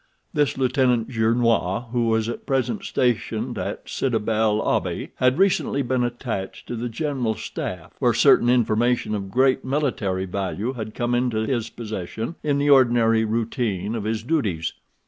This Lieutenant Gernois, who was at present stationed at Sidi bel Abbes, had recently been attached to the general staff, where certain information of great military value had come into his possession in the ordinary routine of his duties.